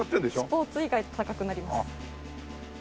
スポーツ以外だと高くなります。